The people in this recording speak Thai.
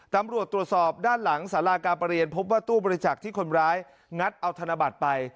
ตำรวจตรวจสอบด้านหลังสาราการประเรียนพบว่าตู้บริจาคที่คนร้ายงัดเอาธนบัตรไป